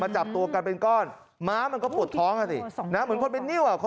มาจับตัวกันเป็นก้อนม้ามันก็ปวดท้องส์ค่ะสิสองกิโลกรัม